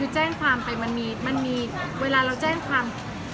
คือแจ้งความไปมันมีเวลาเราแจ้งความ